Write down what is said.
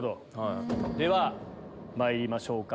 ではまいりましょうか。